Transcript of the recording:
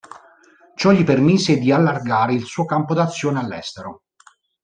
Ciò gli permise di allargare il suo campo d'azione all'estero.